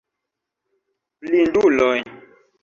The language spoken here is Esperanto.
Blinduloj!